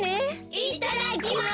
いただきます！